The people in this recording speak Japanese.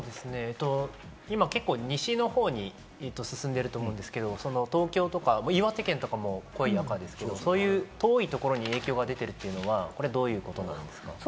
今、結構西の方に進んでると思うんですが、東京や岩手県も濃い赤ですが、そういう遠いところに影響が出ているというのはどういうことなんですか？